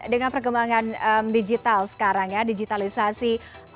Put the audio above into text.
dengan perkembangan digital sekarang ya digitalisasi